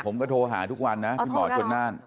ผมก็โทรหาทุกวันนะพี่หมอชนน่าน